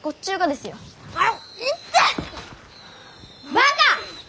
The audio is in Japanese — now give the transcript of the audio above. バカ！